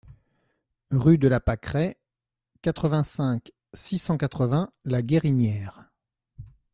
Rue de la Pâqueraie, quatre-vingt-cinq, six cent quatre-vingts La Guérinière